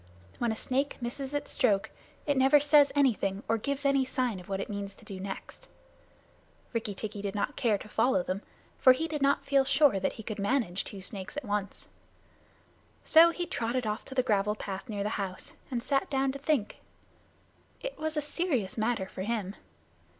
When a snake misses its stroke, it never says anything or gives any sign of what it means to do next. Rikki tikki did not care to follow them, for he did not feel sure that he could manage two snakes at once. So he trotted off to the gravel path near the house, and sat down to think. It was a serious matter for him.